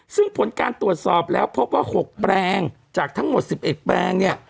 ซึ่งผลการตรวจสอบแล้วพบว่า๖แปลงจากทั้งหมด๑๑แปลงเนี่ย